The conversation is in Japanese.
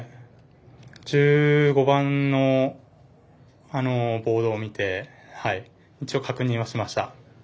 １５番のボードを見て一応確認はしました。